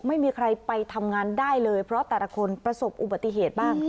ไม่มีใครไปทำงานได้เลยเพราะแต่ละคนประสบอุบัติเหตุบ้าง